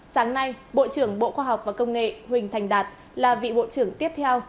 sáng nay bộ trưởng bộ khoa học và công nghệ huỳnh thành đạt là vị bộ trưởng tiếp theo